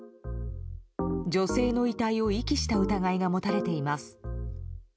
女性の遺体を遺棄した疑いが持たれています。